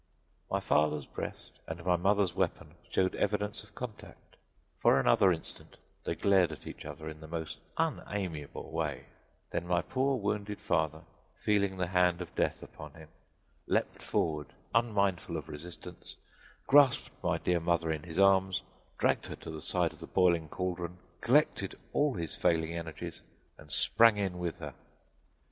My father's breast and my mother's weapon showed evidences of contact. For another instant they glared at each other in the most unamiable way; then my poor, wounded father, feeling the hand of death upon him, leaped forward, unmindful of resistance, grasped my dear mother in his arms, dragged her to the side of the boiling cauldron, collected all his failing energies, and sprang in with her!